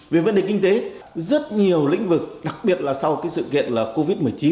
về vấn đề kinh tế rất nhiều lĩnh vực đặc biệt là sau cái sự kiện là covid một mươi chín